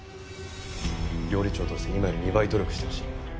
料理長として今より２倍努力してほしい。